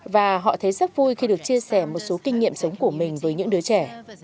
và họ thấy rất vui khi được chia sẻ một số kinh nghiệm sống của mình với những đứa trẻ